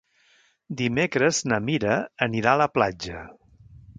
Dimecres na Mira anirà a la platja.